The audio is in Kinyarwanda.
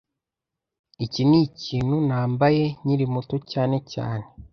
Iki nikintu nambaye nkiri muto cyane cyane